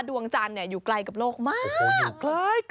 ดวงจันทร์อยู่ไกลกับโลกมาก